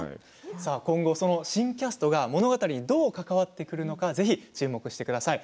今後、新キャストが物語にどう関わってくるのかぜひ注目してください。